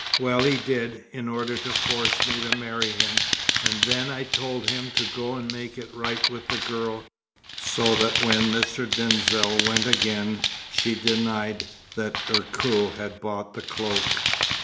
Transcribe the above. Well, he did, in order to force me to marry him, and then I told him to go and make it right with the girl, so that when Mr. Denzil went again she'd deny that Ercole had bought the cloak."